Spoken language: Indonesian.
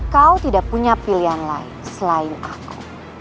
kau tidak punya pilihan lain selain aku